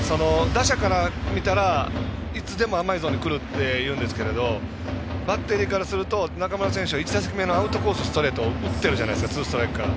打者から見たら、いつでも甘いゾーンにくるというんですけれどもバッテリーからしますと中村選手１打席目アウトコースを抜けてストレートを打ってるじゃないですか。